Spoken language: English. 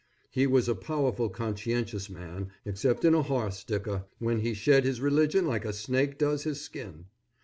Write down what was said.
He was a powerful conscientious man, except in a horse dicker, when he shed his religion like a snake does his skin.